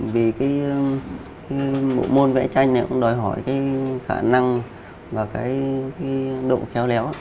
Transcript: vì cái môn vẽ tranh cũng đòi hỏi cái khả năng và cái độ khéo léo